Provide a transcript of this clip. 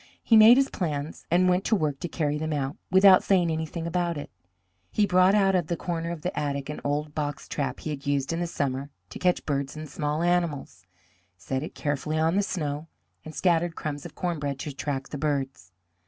He made his plans, and went to work to carry them out without saying anything about it. He brought out of a corner of the attic an old boxtrap he had used in the summer to catch birds and small animals, set it carefully on the snow, and scattered crumbs of corn bread to attract the birds.